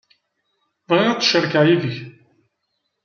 Bɣiɣ ad t-cerkeɣ yid-k.